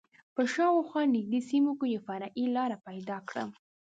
په شا او خوا نږدې سیمه کې یوه فرعي لاره پیدا کړم.